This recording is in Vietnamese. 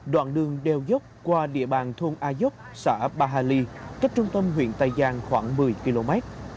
đoạn đường đeo dốc qua địa bàn thôn a dốc xã ba hà ly cách trung tâm huyện tây giang khoảng một mươi km